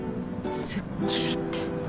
すっきりって